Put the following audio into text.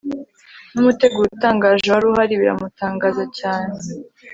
n'umuteguro utangaje wari uhari biramutangaza cyane